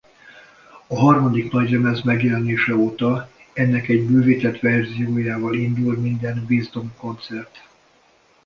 A harmadik nagylemez megjelenése óta ennek egy bővített verziójával indul minden Wisdom koncert.